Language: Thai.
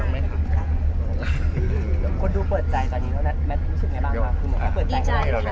มันรู้สึกยังไงบ้าง